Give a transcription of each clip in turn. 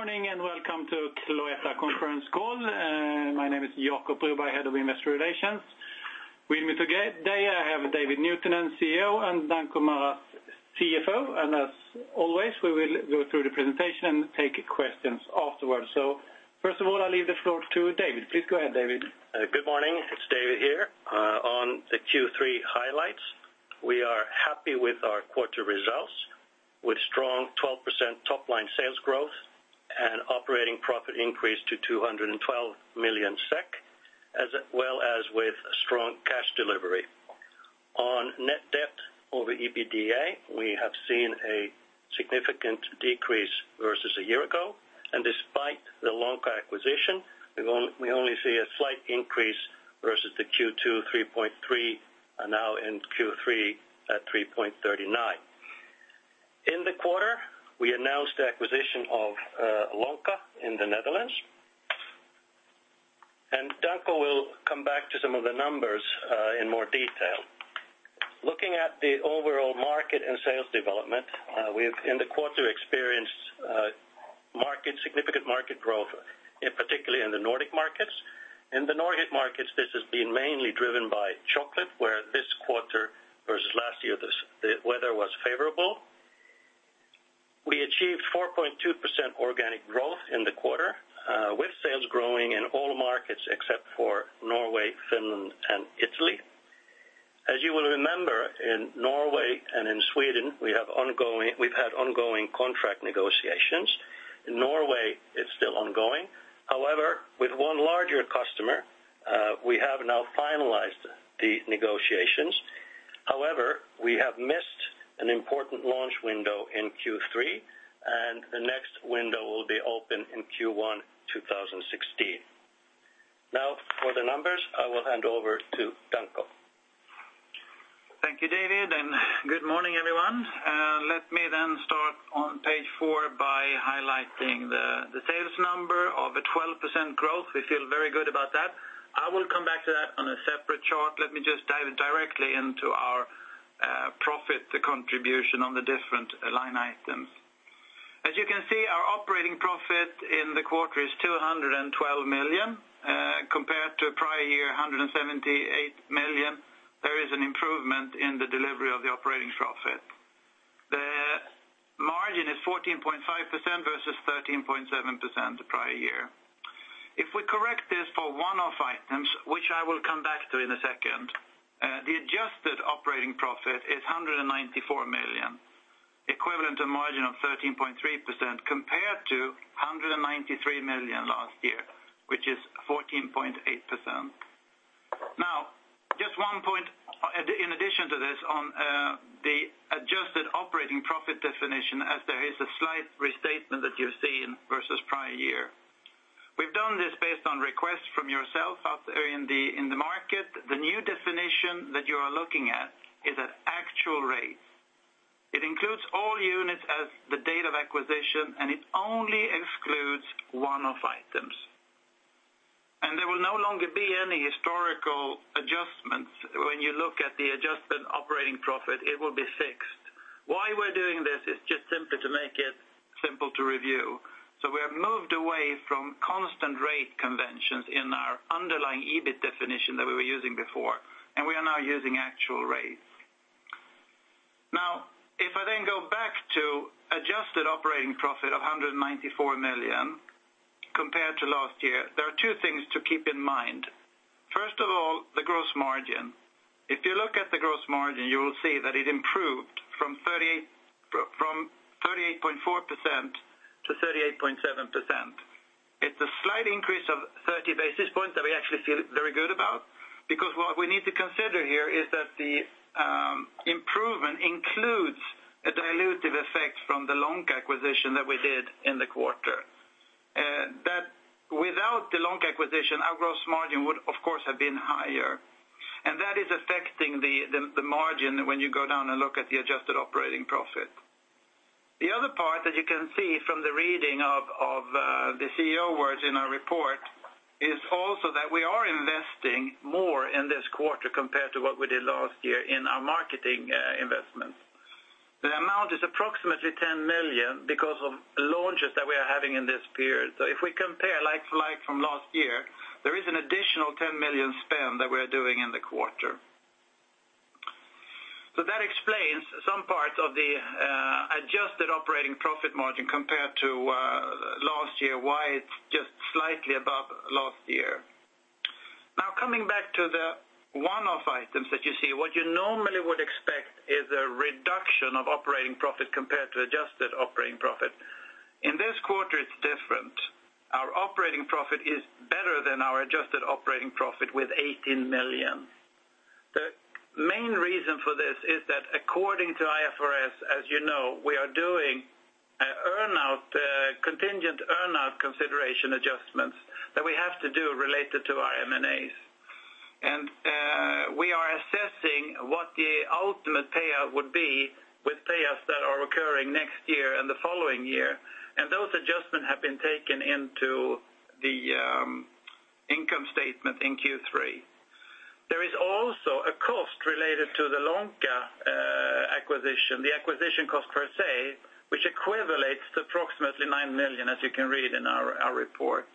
Good morning and welcome to Cloetta Conference Call. My name is Jacob Broberg, Head of Investor Relations. With me today I have David Nuutinen, CEO, and Danko Maras, CFO. As always, we will go through the presentation and take questions afterwards. First of all, I'll leave the floor to David. Please go ahead, David. Good morning. It's David here. On the Q3 highlights, we are happy with our quarter results, with strong 12% top-line sales growth and operating profit increase to 212 million SEK, as well as with strong cash delivery. On net debt over EBITDA, we have seen a significant decrease versus a year ago. Despite the Lonka acquisition, we only see a slight increase versus the Q2 3.3 and now in Q3 at 3.39. In the quarter, we announced the acquisition of Lonka in the Netherlands. Danko will come back to some of the numbers in more detail. Looking at the overall market and sales development, we've in the quarter experienced significant market growth, particularly in the Nordic markets. In the Nordic markets, this has been mainly driven by chocolate, where this quarter versus last year, the weather was favorable. We achieved 4.2% organic growth in the quarter, with sales growing in all markets except for Norway, Finland, and Italy. As you will remember, in Norway and in Sweden, we've had ongoing contract negotiations. In Norway, it's still ongoing. However, with one larger customer, we have now finalized the negotiations. However, we have missed an important launch window in Q3, and the next window will be open in Q1 2016. Now, for the numbers, I will hand over to Danko. Thank you, David, and good morning, everyone. Let me then start on page four by highlighting the sales number of a 12% growth. We feel very good about that. I will come back to that on a separate chart. Let me just dive directly into our profit contribution on the different line items. As you can see, our operating profit in the quarter is 212 million. Compared to prior year, 178 million, there is an improvement in the delivery of the operating profit. The margin is 14.5% versus 13.7% the prior year. If we correct this for one-of items, which I will come back to in a second, the adjusted operating profit is 194 million, equivalent to a margin of 13.3% compared to 193 million last year, which is 14.8%. Now, just one point in addition to this on the adjusted operating profit definition, as there is a slight restatement that you've seen versus prior year. We've done this based on requests from yourself out there in the market. The new definition that you are looking at is at actual rates. It includes all units as the date of acquisition, and it only excludes one-off items. There will no longer be any historical adjustments. When you look at the adjusted operating profit, it will be fixed. Why we're doing this is just simply to make it simple to review. We have moved away from constant rate conventions in our underlying EBIT definition that we were using before, and we are now using actual rates. Now, if I then go back to adjusted operating profit of 194 million compared to last year, there are two things to keep in mind. First of all, the gross margin. If you look at the gross margin, you will see that it improved from 38.4% to 38.7%. It's a slight increase of 30 basis points that we actually feel very good about because what we need to consider here is that the improvement includes a dilutive effect from the Lonka acquisition that we did in the quarter. Without the Lonka acquisition, our gross margin would, of course, have been higher. And that is affecting the margin when you go down and look at the adjusted operating profit. The other part that you can see from the reading of the CEO words in our report is also that we are investing more in this quarter compared to what we did last year in our marketing investments. The amount is approximately 10 million because of launches that we are having in this period. So if we compare like-for-like from last year, there is an additional 10 million spend that we are doing in the quarter. So that explains some parts of the adjusted operating profit margin compared to last year, why it's just slightly above last year. Now, coming back to the one-off items that you see, what you normally would expect is a reduction of operating profit compared to adjusted operating profit. In this quarter, it's different. Our operating profit is better than our adjusted operating profit with 18 million. The main reason for this is that, according to IFRS, as you know, we are doing contingent earnout consideration adjustments that we have to do related to our M&As. We are assessing what the ultimate payout would be with payouts that are occurring next year and the following year. Those adjustments have been taken into the income statement in Q3. There is also a cost related to the Lonka acquisition, the acquisition cost per se, which equivalates to approximately 9 million, as you can read in our report.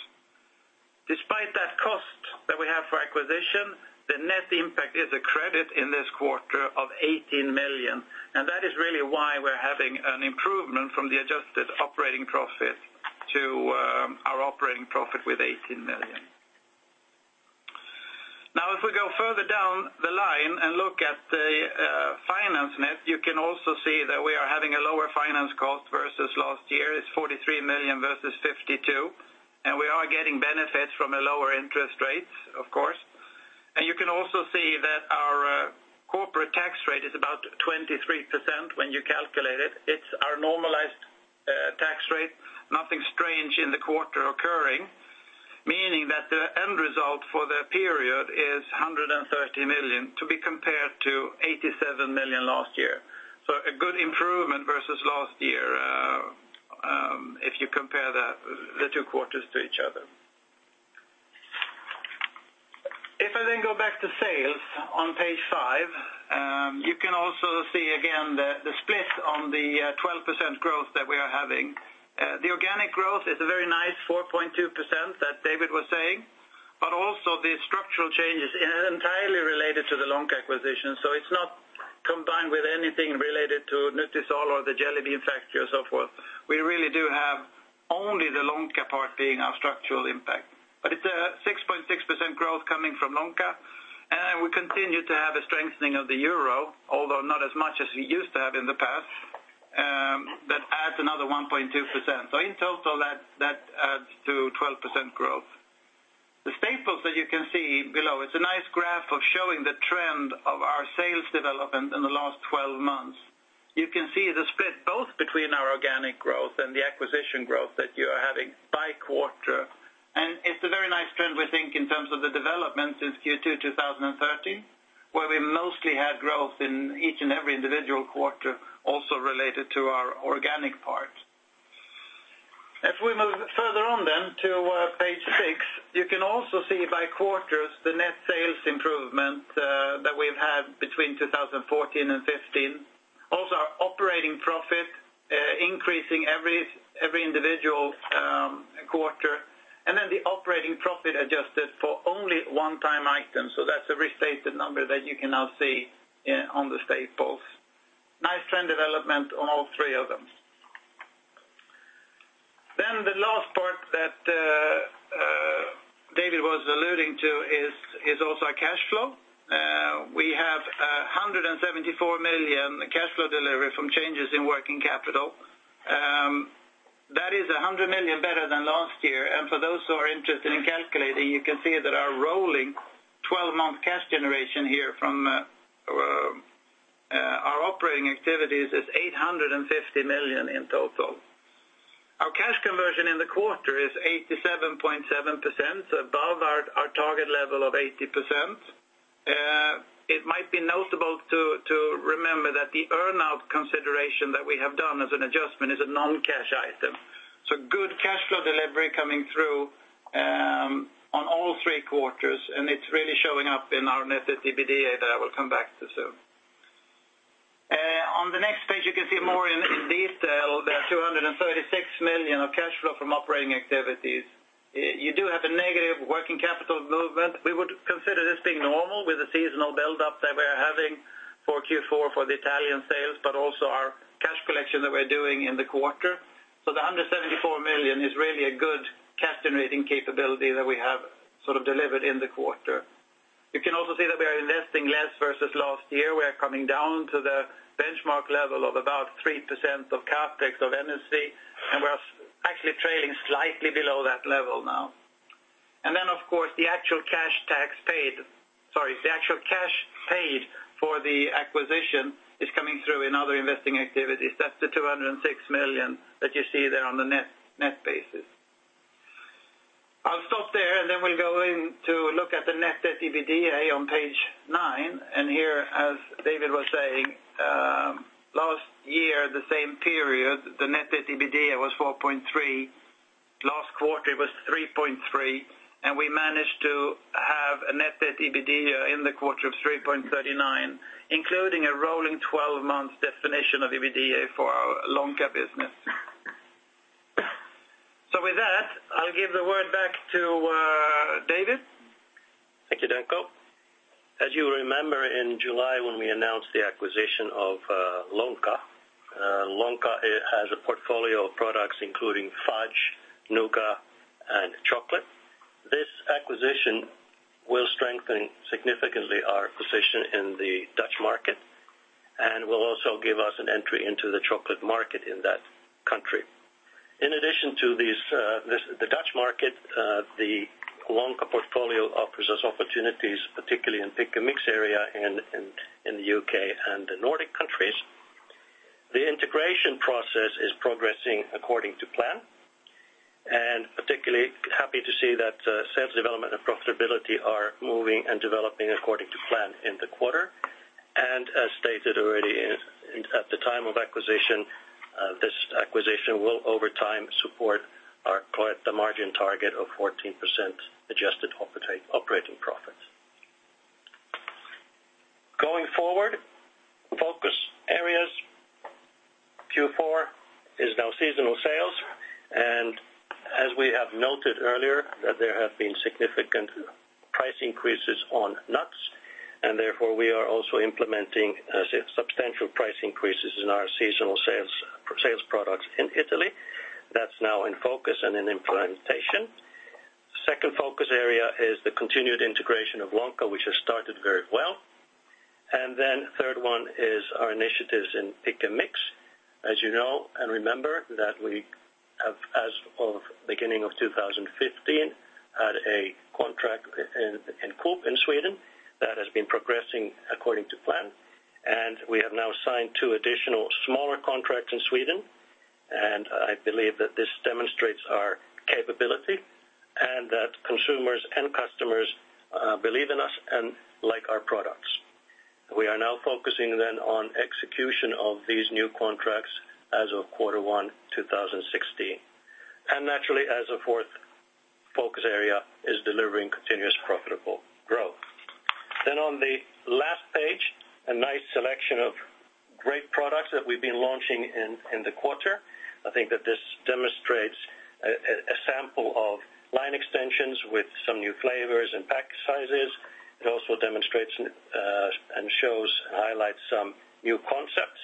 Despite that cost that we have for acquisition, the net impact is a credit in this quarter of 18 million. That is really why we're having an improvement from the adjusted operating profit to our operating profit with 18 million. Now, if we go further down the line and look at the finance net, you can also see that we are having a lower finance cost versus last year. It's 43 million versus 52 million. And we are getting benefits from the lower interest rates, of course. And you can also see that our corporate tax rate is about 23% when you calculate it. It's our normalized tax rate. Nothing strange in the quarter occurring, meaning that the end result for the period is 130 million to be compared to 87 million last year. So a good improvement versus last year if you compare the two quarters to each other. If I then go back to sales on page five, you can also see again the split on the 12% growth that we are having. The organic growth is a very nice 4.2% that David was saying, but also the structural changes are entirely related to the Lonka acquisition. So it's not combined with anything related to Nutisal or The Jelly Bean Factory or so forth. We really do have only the Lonka part being our structural impact. But it's a 6.6% growth coming from Lonka. And then we continue to have a strengthening of the euro, although not as much as we used to have in the past, that adds another 1.2%. So in total, that adds to 12% growth. The staples that you can see below, it's a nice graph of showing the trend of our sales development in the last 12 months. You can see the split both between our organic growth and the acquisition growth that you are having by quarter. It's a very nice trend, we think, in terms of the development since Q2 2013, where we mostly had growth in each and every individual quarter, also related to our organic part. If we move further on then to page six, you can also see by quarters the net sales improvement that we've had between 2014 and 2015, also our operating profit increasing every individual quarter, and then the operating profit adjusted for only one-time items. So that's a restated number that you can now see on the staples. Nice trend development on all three of them. Then the last part that David was alluding to is also our cash flow. We have 174 million cash flow delivery from changes in working capital. That is 100 million better than last year. For those who are interested in calculating, you can see that our rolling 12 month cash generation here from our operating activities is 850 million in total. Our cash conversion in the quarter is 87.7%, so above our target level of 80%. It might be notable to remember that the earnout consideration that we have done as an adjustment is a non-cash item. So good cash flow delivery coming through on all three quarters, and it's really showing up in our net EBITDA that I will come back to soon. On the next page, you can see more in detail. There are 236 million of cash flow from operating activities. You do have a negative working capital movement. We would consider this being normal with the seasonal buildup that we are having for Q4 for the Italian sales, but also our cash collection that we're doing in the quarter. So the 174 million is really a good cash-generating capability that we have sort of delivered in the quarter. You can also see that we are investing less versus last year. We are coming down to the benchmark level of about 3% of CapEx of NSC, and we're actually trailing slightly below that level now. And then, of course, the actual cash tax paid sorry, the actual cash paid for the acquisition is coming through in other investing activities. That's the 206 million that you see there on the net basis. I'll stop there, and then we'll go in to look at the net EBITDA on page nine. And here, as David was saying, last year, the same period, the net EBITDA was 4.3. Last quarter, it was 3.3. We managed to have a net EBITDA in the quarter of 3.39, including a rolling 12-month definition of EBITDA for our Lonka business. With that, I'll give the word back to David. Thank you, Danko. As you remember, in July when we announced the acquisition of Lonka, Lonka has a portfolio of products including fudge, nougat, and chocolate. This acquisition will strengthen significantly our position in the Dutch market and will also give us an entry into the chocolate market in that country. In addition to the Dutch market, the Lonka portfolio offers us opportunities, particularly in the pick-and-mix area in the U.K. and the Nordic countries. The integration process is progressing according to plan. Particularly happy to see that sales development and profitability are moving and developing according to plan in the quarter. As stated already at the time of acquisition, this acquisition will, over time, support our margin target of 14% adjusted operating profit. Going forward, focus areas. Q4 is now seasonal sales. As we have noted earlier, there have been significant price increases on nuts, and therefore, we are also implementing substantial price increases in our seasonal sales products in Italy. That's now in focus and in implementation. Second focus area is the continued integration of Lonka, which has started very well. Then third one is our initiatives in pick-and-mix. As you know and remember, that we have, as of beginning of 2015, had a contract in Coop in Sweden that has been progressing according to plan. And we have now signed two additional smaller contracts in Sweden. And I believe that this demonstrates our capability and that consumers and customers believe in us and like our products. We are now focusing then on execution of these new contracts as of quarter one, 2016. And naturally, as a fourth focus area, is delivering continuous profitable growth. Then on the last page, a nice selection of great products that we've been launching in the quarter. I think that this demonstrates a sample of line extensions with some new flavors and pack sizes. It also demonstrates and shows and highlights some new concepts.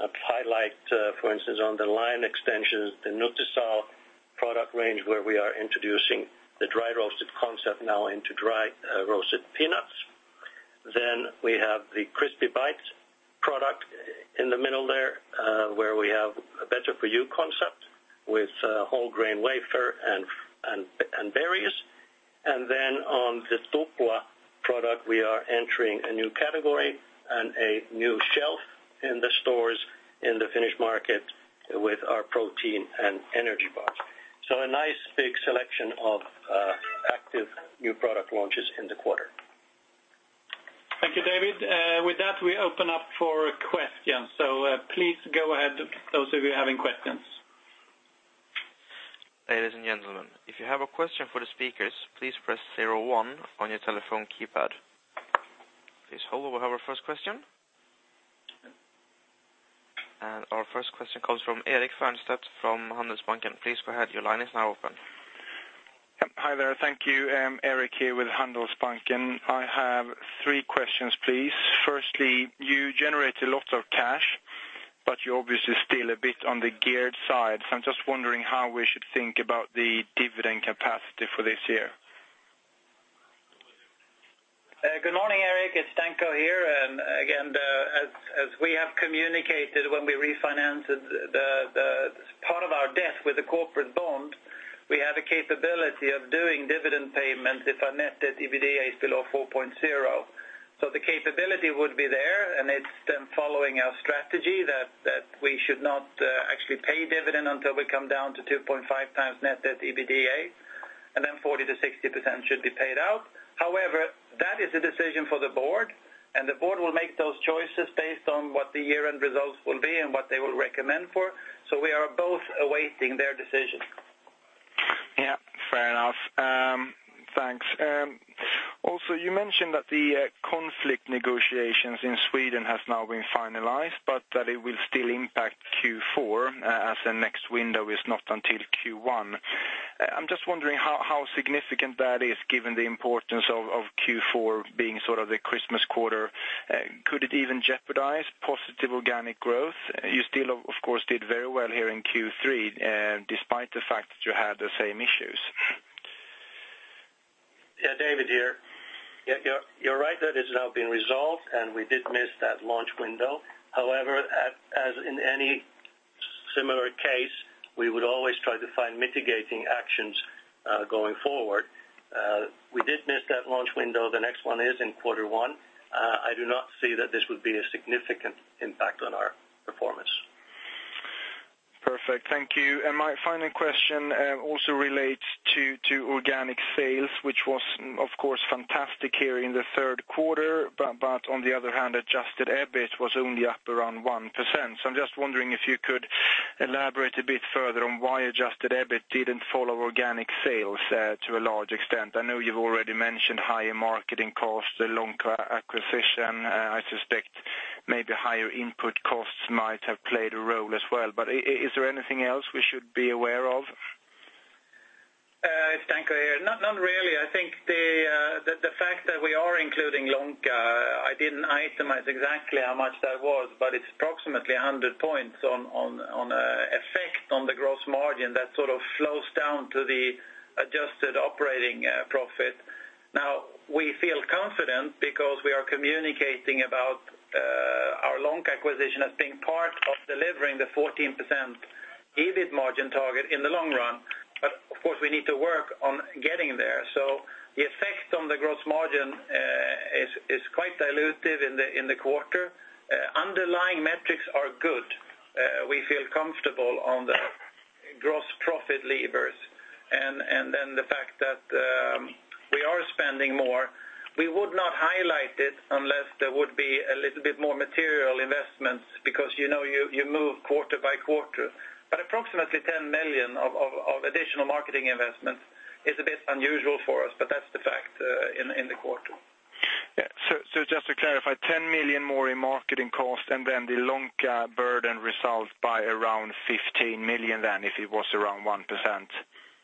I'll highlight, for instance, on the line extensions, the Nutisal product range where we are introducing the dry-roasted concept now into dry-roasted peanuts. Then we have the Crispy Bites product in the middle there where we have a better-for-you concept with whole-grain wafer and berries. And then on the Tupla product, we are entering a new category and a new shelf in the stores in the Finnish market with our protein and energy bars. So a nice big selection of active new product launches in the quarter. Thank you, David. With that, we open up for questions. So please go ahead, those of you having questions. Ladies and gentlemen, if you have a question for the speakers, please press zero one on your telephone keypad. Please hold while we have our first question. Our first question comes from Erik Sandstedt from Handelsbanken. Please go ahead. Your line is now open. Yep. Hi there. Thank you. Erik here with Handelsbanken. I have three questions, please. Firstly, you generate a lot of cash, but you obviously still a bit on the geared side. So I'm just wondering how we should think about the dividend capacity for this year? Good morning, Erik. It's Danko here. And again, as we have communicated when we refinanced part of our debt with the corporate bond, we have a capability of doing dividend payments if our net EBITDA is below 4.0. So the capability would be there, and it's then following our strategy that we should not actually pay dividend until we come down to 2.5x net EBITDA, and then 40%-60% should be paid out. However, that is a decision for the board, and the board will make those choices based on what the year-end results will be and what they will recommend for. So we are both awaiting their decision. Yeah. Fair enough. Thanks. Also, you mentioned that the contract negotiations in Sweden have now been finalized, but that it will still impact Q4 as the next window is not until Q1. I'm just wondering how significant that is given the importance of Q4 being sort of the Christmas quarter. Could it even jeopardize positive organic growth? You still, of course, did very well here in Q3 despite the fact that you had the same issues. Yeah. David here. You're right that it's now been resolved, and we did miss that launch window. However, as in any similar case, we would always try to find mitigating actions going forward. We did miss that launch window. The next one is in quarter one. I do not see that this would be a significant impact on our performance. Perfect. Thank you. And my final question also relates to organic sales, which was, of course, fantastic here in the third quarter. But on the other hand, adjusted EBIT was only up around 1%. So I'm just wondering if you could elaborate a bit further on why adjusted EBIT didn't follow organic sales to a large extent. I know you've already mentioned higher marketing costs, the Lonka acquisition. I suspect maybe higher input costs might have played a role as well. But is there anything else we should be aware of? It's Danko here. Not really. I think the fact that we are including Lonka I didn't itemize exactly how much that was, but it's approximately 100 points on effect on the gross margin that sort of flows down to the adjusted operating profit. Now, we feel confident because we are communicating about our Lonka acquisition as being part of delivering the 14% EBIT margin target in the long run. But of course, we need to work on getting there. So the effect on the gross margin is quite dilutive in the quarter. Underlying metrics are good. We feel comfortable on the gross profit levers. And then the fact that we are spending more, we would not highlight it unless there would be a little bit more material investments because you move quarter by quarter. But approximately 10 million of additional marketing investments is a bit unusual for us, but that's the fact in the quarter. Yeah. So just to clarify, 10 million more in marketing costs and then the Lonka burden results by around 15 million then if it was around 1%?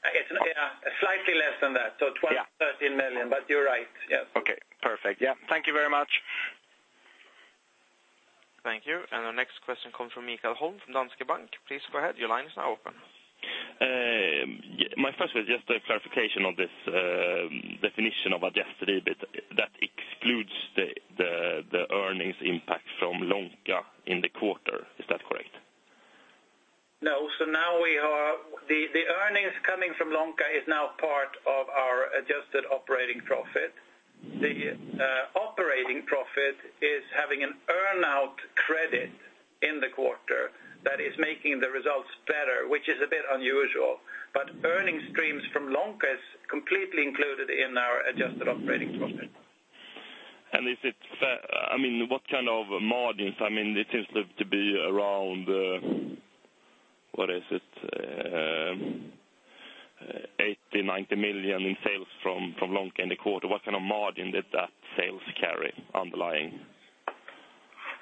Yeah. Slightly less than that. So 12 million-13 million. But you're right. Yes. Okay. Perfect. Yeah. Thank you very much. Thank you. The next question comes from Michael Holm from Danske Bank. Please go ahead. Your line is now open. My first was just a clarification on this definition of adjusted EBIT. That excludes the earnings impact from Lonka in the quarter. Is that correct? No. So now we are the earnings coming from Lonka is now part of our adjusted operating profit. The operating profit is having an earnout credit in the quarter that is making the results better, which is a bit unusual. But earning streams from Lonka is completely included in our adjusted operating profit. Is it fair? I mean, what kind of margins? I mean, it seems to be around, what is it? 80 million-90 million in sales from Lonka in the quarter. What kind of margin did that sales carry underlying?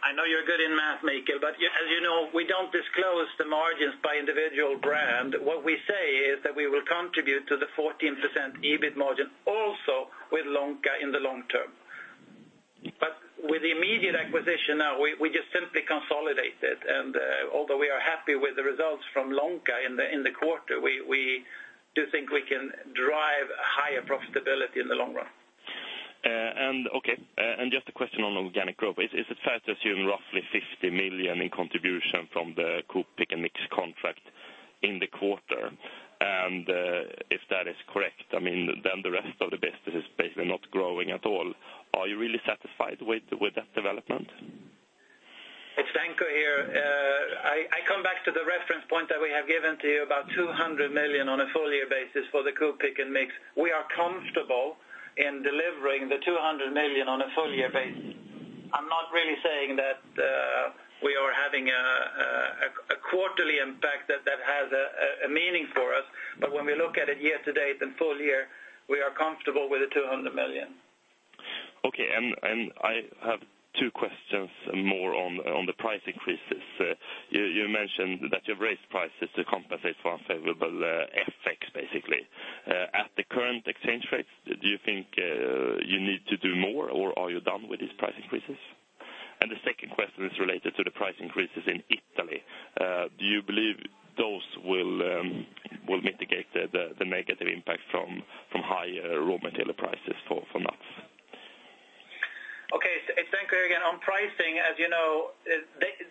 I know you're good in math, Michael, but as you know, we don't disclose the margins by individual brand. What we say is that we will contribute to the 14% EBIT margin also with Lonka in the long term. But with the immediate acquisition now, we just simply consolidate it. And although we are happy with the results from Lonka in the quarter, we do think we can drive higher profitability in the long run. Okay. Just a question on organic growth. Is it fair to assume roughly 50 million in contribution from the Coop pick-and-mix contract in the quarter? And if that is correct, I mean, then the rest of the business is basically not growing at all. Are you really satisfied with that development? It's Danko here. I come back to the reference point that we have given to you about 200 million on a full-year basis for the Coop pick-and-mix. We are comfortable in delivering the 200 million on a full-year basis. I'm not really saying that we are having a quarterly impact that has a meaning for us. But when we look at it year to date and full year, we are comfortable with the 200 million. Okay. I have two questions more on the price increases. You mentioned that you've raised prices to compensate for unfavorable effects, basically. At the current exchange rates, do you think you need to do more, or are you done with these price increases? The second question is related to the price increases in Italy. Do you believe those will mitigate the negative impact from higher raw material prices for nuts? Okay. It's Danko here again. On pricing, as you know,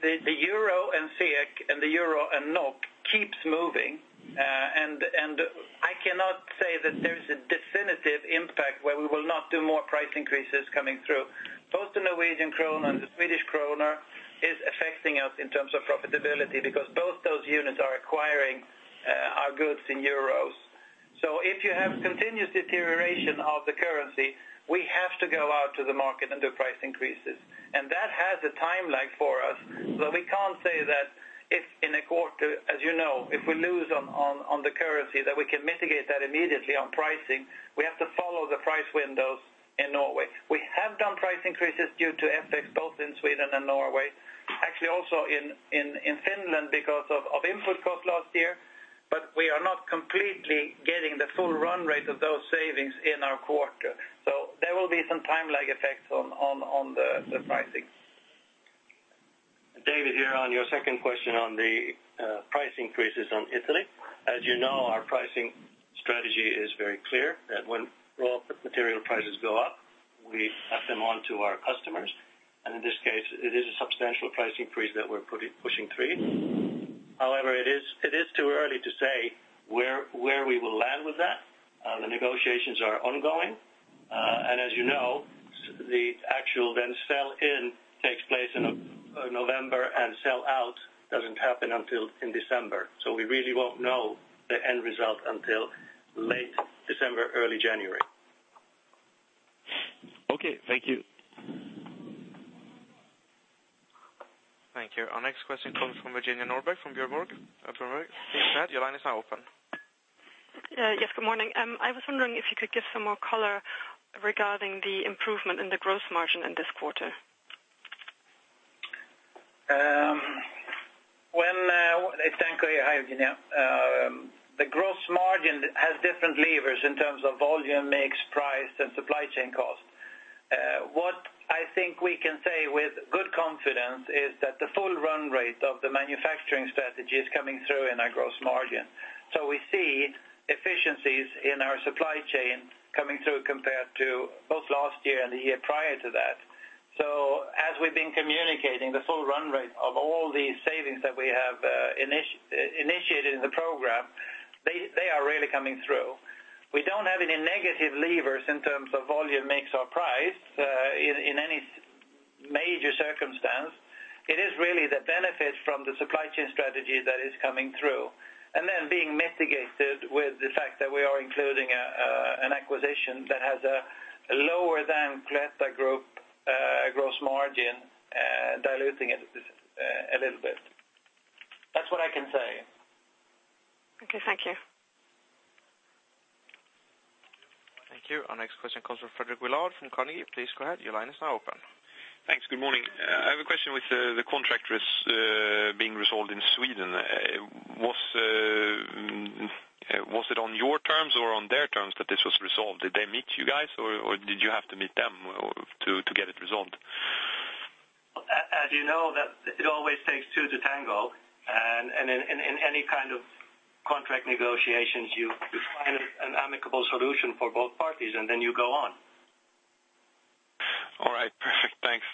the euro and SEK and the euro and NOK keeps moving. I cannot say that there is a definitive impact where we will not do more price increases coming through. Both the Norwegian krone and the Swedish krone is affecting us in terms of profitability because both those units are acquiring our goods in euros. So if you have continuous deterioration of the currency, we have to go out to the market and do price increases. And that has a time lag for us. So we can't say that if in a quarter, as you know, if we lose on the currency, that we can mitigate that immediately on pricing. We have to follow the price windows in Norway. We have done price increases due to effects both in Sweden and Norway, actually also in Finland because of input costs last year. But we are not completely getting the full run rate of those savings in our quarter. So there will be some time lag effects on the pricing. David here on your second question on the price increases in Italy. As you know, our pricing strategy is very clear that when raw material prices go up, we pass them on to our customers. In this case, it is a substantial price increase that we're pushing through. However, it is too early to say where we will land with that. The negotiations are ongoing. As you know, the actual then sell-in takes place in November, and sell-out doesn't happen until in December. We really won't know the end result until late December, early January. Okay. Thank you. Thank you. Our next question comes from Virginia Nordback from Berenberg. Please go ahead. Your line is now open. Yes. Good morning. I was wondering if you could give some more color regarding the improvement in the gross margin in this quarter. It's Danko here. Hi, Virginia. The gross margin has different levers in terms of volume, mix, price, and supply chain cost. What I think we can say with good confidence is that the full run rate of the manufacturing strategy is coming through in our gross margin. So we see efficiencies in our supply chain coming through compared to both last year and the year prior to that. So as we've been communicating, the full run rate of all these savings that we have initiated in the program, they are really coming through. We don't have any negative levers in terms of volume, mix, or price in any major circumstance. It is really the benefit from the supply chain strategy that is coming through and then being mitigated with the fact that we are including an acquisition that has a lower-than-Cloetta Group gross margin diluting it a little bit. That's what I can say. Okay. Thank you. Thank you. Our next question comes from Fredrik Villard from Carnegie. Please go ahead. Your line is now open. Thanks. Good morning. I have a question with the contractors being resolved in Sweden. Was it on your terms or on their terms that this was resolved? Did they meet you guys, or did you have to meet them to get it resolved? As you know, it always takes two to tango. In any kind of contract negotiations, you find an amicable solution for both parties, and then you go on. All right. Perfect. Thanks.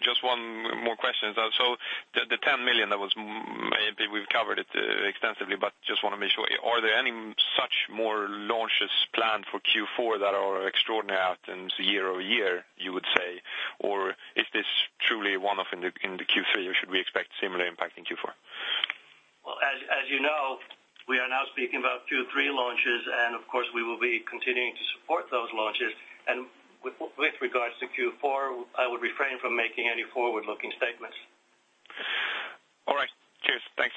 Just one more question. So the 10 million, maybe we've covered it extensively, but just want to make sure. Are there any such more launches planned for Q4 that are extraordinary items year-over-year, you would say? Or is this truly one-off in the Q3, or should we expect similar impact in Q4? Well, as you know, we are now speaking about Q3 launches. Of course, we will be continuing to support those launches. With regards to Q4, I would refrain from making any forward-looking statements. All right. Cheers. Thanks.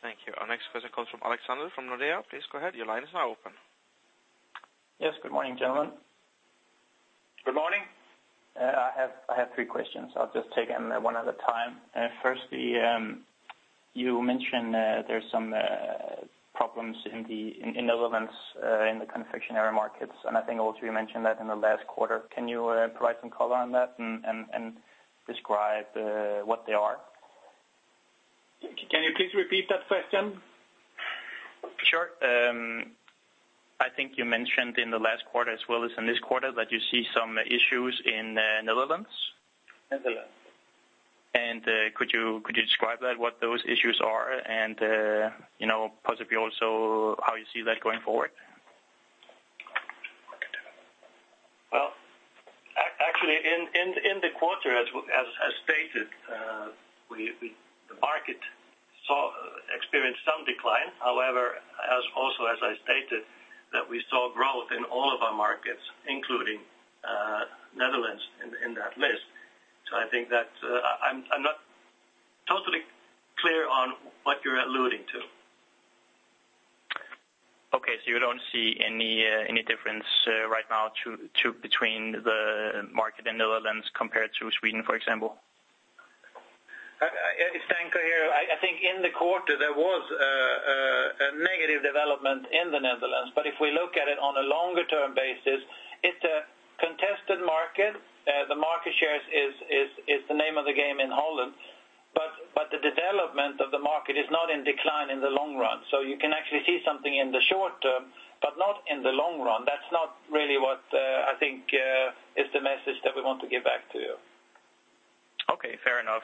Thank you. Our next question comes from Alexander from Nordea. Please go ahead. Your line is now open. Yes. Good morning, gentlemen. Good morning. I have three questions. I'll just take them one at a time. Firstly, you mentioned there's some problems in the Netherlands, in the confectionery markets. And I think also you mentioned that in the last quarter. Can you provide some color on that and describe what they are? Can you please repeat that question? Sure. I think you mentioned in the last quarter as well as in this quarter that you see some issues in Netherlands. Netherlands. Could you describe that, what those issues are, and possibly also how you see that going forward? Well, actually, in the quarter, as stated, the market experienced some decline. However, also as I stated, that we saw growth in all of our markets, including Netherlands in that list. So I think that I'm not totally clear on what you're alluding to. Okay. So you don't see any difference right now between the market in Netherlands compared to Sweden, for example? It's Danko here. I think in the quarter, there was a negative development in the Netherlands. But if we look at it on a longer-term basis, it's a contested market. The market shares is the name of the game in Holland. But the development of the market is not in decline in the long run. So you can actually see something in the short term but not in the long run. That's not really what I think is the message that we want to give back to you. Okay. Fair enough.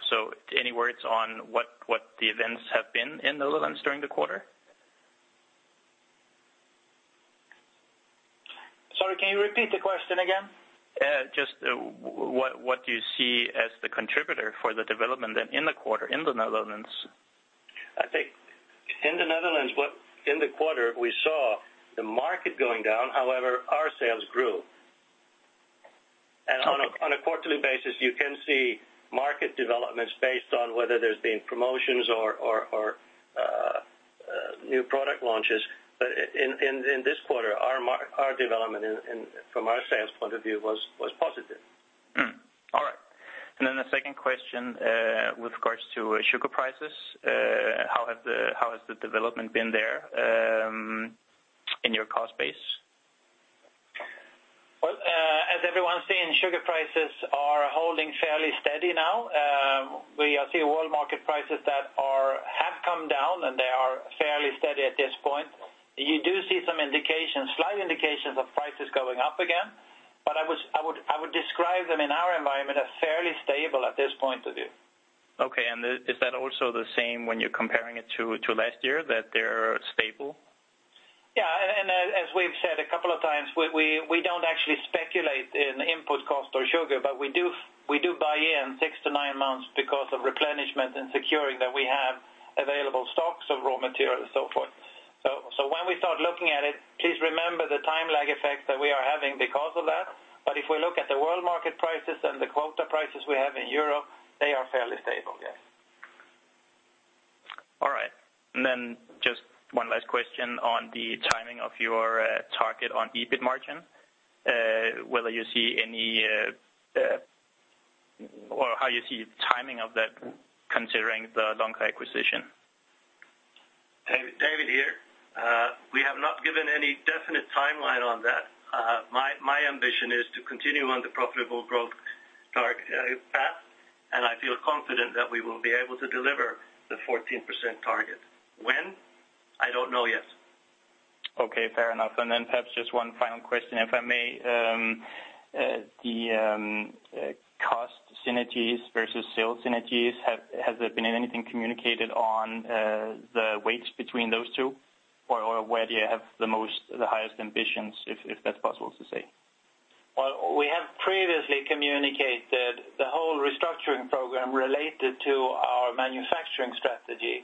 Any words on what the events have been in Netherlands during the quarter? Sorry. Can you repeat the question again? Just what do you see as the contributor for the development then in the quarter in the Netherlands? I think in the Netherlands, in the quarter, we saw the market going down. However, our sales grew. And on a quarterly basis, you can see market developments based on whether there's been promotions or new product launches. But in this quarter, our development from our sales point of view was positive. All right. The second question with regards to sugar prices. How has the development been there in your cost base? Well, as everyone's seen, sugar prices are holding fairly steady now. We are seeing world market prices that have come down, and they are fairly steady at this point. You do see some indications, slight indications of prices going up again. But I would describe them in our environment as fairly stable at this point of view. Okay. Is that also the same when you're comparing it to last year, that they're stable? Yeah. And as we've said a couple of times, we don't actually speculate in input cost or sugar. But we do buy in six to nine months because of replenishment and securing that we have available stocks of raw materials and so forth. So when we start looking at it, please remember the time lag effect that we are having because of that. But if we look at the world market prices and the quota prices we have in Europe, they are fairly stable. Yes. All right. And then just one last question on the timing of your target on EBIT margin. Whether you see any or how you see timing of that considering the Lonka acquisition? David here. We have not given any definite timeline on that. My ambition is to continue on the profitable growth path. I feel confident that we will be able to deliver the 14% target. When? I don't know yet. Okay. Fair enough. And then perhaps just one final question, if I may. The cost synergies versus sales synergies, has there been anything communicated on the weights between those two, or where do you have the highest ambitions, if that's possible to say? Well, we have previously communicated the whole restructuring program related to our manufacturing strategy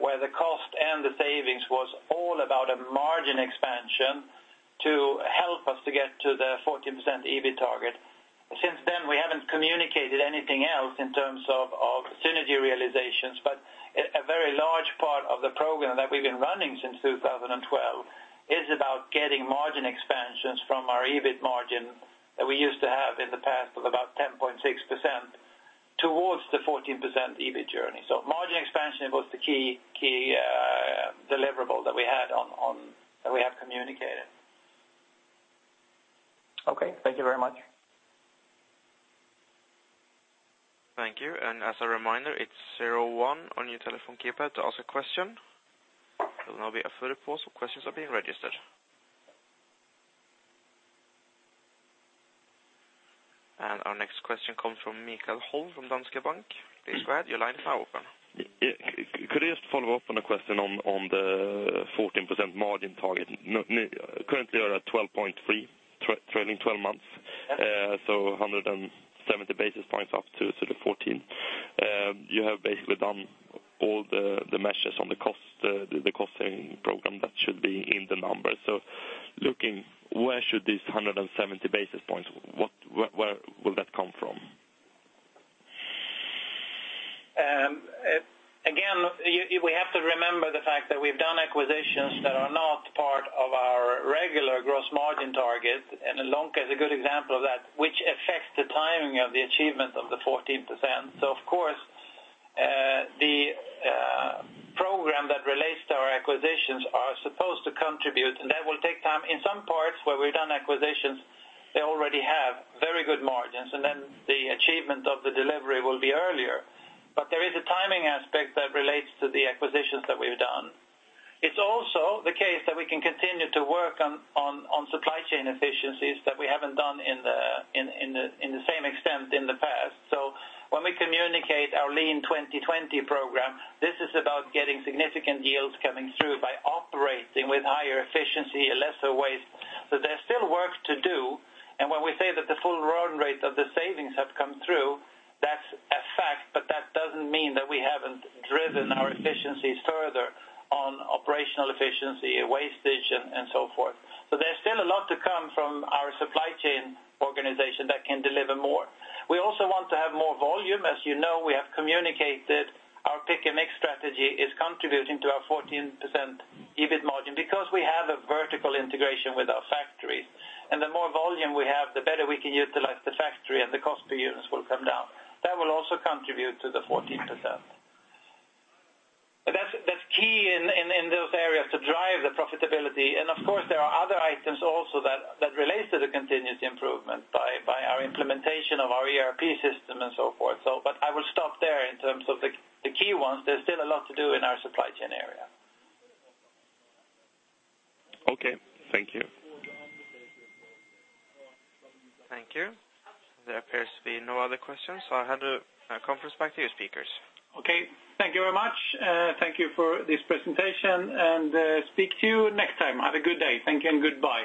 where the cost and the savings was all about a margin expansion to help us to get to the 14% EBIT target. Since then, we haven't communicated anything else in terms of synergy realizations. But a very large part of the program that we've been running since 2012 is about getting margin expansions from our EBIT margin that we used to have in the past of about 10.6% towards the 14% EBIT journey. So margin expansion was the key deliverable that we had on that we have communicated. Okay. Thank you very much. Thank you. As a reminder, it's zero one on your telephone keypad to ask a question. There will now be a photo post where questions are being registered. Our next question comes from Michael Holm from Danske Bank. Please go ahead. Your line is now open. Could I just follow up on a question on the 14% margin target? Currently, you're at 12.3%, trailing 12 months, so 170 basis points up to the 14%. You have basically done all the measures on the cost saving program that should be in the numbers. So looking, where will that come from? Again, we have to remember the fact that we've done acquisitions that are not part of our regular gross margin target. And Lonka is a good example of that, which affects the timing of the achievement of the 14%. So of course, the program that relates to our acquisitions are supposed to contribute. And that will take time. In some parts where we've done acquisitions, they already have very good margins. And then the achievement of the delivery will be earlier. But there is a timing aspect that relates to the acquisitions that we've done. It's also the case that we can continue to work on supply chain efficiencies that we haven't done in the same extent in the past. So when we communicate our Lean 2020 program, this is about getting significant yields coming through by operating with higher efficiency and lesser waste. So there's still work to do. When we say that the full run rate of the savings have come through, that's a fact. But that doesn't mean that we haven't driven our efficiencies further on operational efficiency, wastage, and so forth. There's still a lot to come from our supply chain organization that can deliver more. We also want to have more volume. As you know, we have communicated our pick-and-mix strategy is contributing to our 14% EBIT margin because we have a vertical integration with our factories. The more volume we have, the better we can utilize the factory, and the cost per units will come down. That will also contribute to the 14%. That's key in those areas to drive the profitability. Of course, there are other items also that relate to the continuous improvement by our implementation of our ERP system and so forth. But I will stop there in terms of the key ones. There's still a lot to do in our supply chain area. Okay. Thank you. Thank you. There appears to be no other questions. I'll hand the conference back to your speakers. Okay. Thank you very much. Thank you for this presentation. Speak to you next time. Have a good day. Thank you, and goodbye.